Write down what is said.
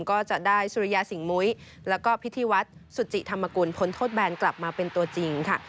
ก็จะได้สุริยาสิงหมุ้ยแล้วก็พิธีวัฒน์สุจิธรรมกุลพ้นโทษแบนกลับมาเป็นตัวจริงค่ะ